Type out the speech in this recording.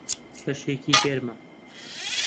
کەشێکی گەرمە.